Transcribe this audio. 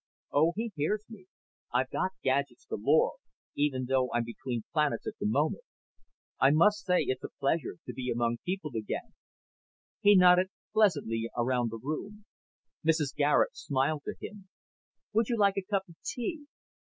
"Oh, he hears me. I've got gadgets galore, even though I'm between planets at the moment. I must say it's a pleasure to be among people again." He nodded pleasantly around the room. Mrs. Garet smiled to him. "Would you like a cup of tea?"